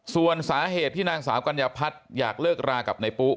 ส่วนสาเหตุที่นางสาวกัญญาพัฒน์อยากเลิกรากับนายปุ๊